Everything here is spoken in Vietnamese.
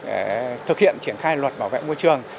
để thực hiện triển khai luật bảo vệ môi trường